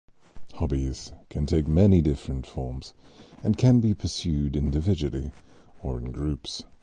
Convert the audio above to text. Hobbies can take many different forms and can be pursued individually or in groups.